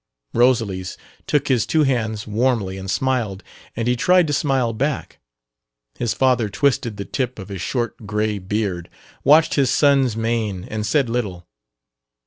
Rosalys took his two hands warmly and smiled, and he tried to smile back. His father twisted the tip of his short gray beard, watched his son's mien, and said little.